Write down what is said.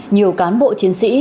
nhiều cán bộ chiến sĩ